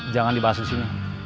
jangan dibahas di sini